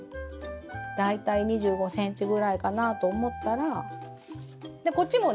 大体２５ｃｍぐらいかなあと思ったらでこっちもね